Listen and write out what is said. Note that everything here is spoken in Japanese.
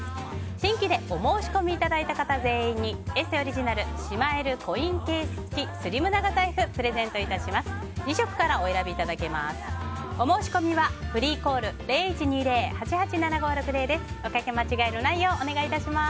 新規でお申し込みいただいた方全員に「ＥＳＳＥ」オリジナルしまえるコインケース付きスリム長財布プレゼントいたします。